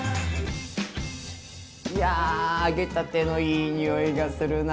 いや揚げたてのいい匂いがするな。